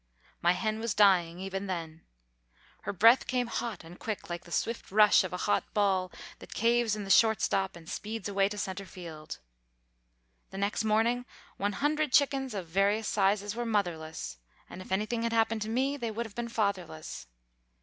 My hen was dying even then. Her breath came hot and quick like the swift rush of a hot ball that caves in the short stop and speeds away to center field. The next morning one hundred chickens of various sizes were motherless, and if anything had happened to me they would have been fatherless.